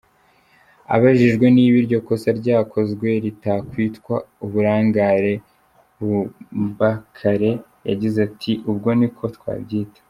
Abajijwe niba iryo kosa ryakozwe ritakwitwa “uburangare”, Bumbakare yagize ati “ubwo ni uko twabyita”.